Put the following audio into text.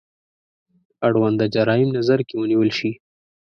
اړونده جرايم نظر کې ونیول شي.